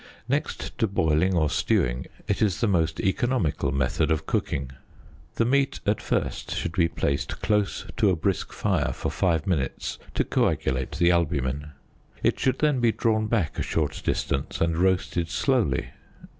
Next to boiling or stewing it is the most economical method of cooking. The meat at first should be placed close to a brisk fire for five minutes to coagulate the albumen. It should then be drawn back a short distance and roasted slowly.